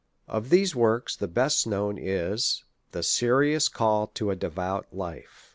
Of these works, the best known is '^ The Serious Call to a Devout Life."